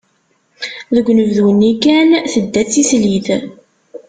Deg unebdu-nni kan tedda d tislit.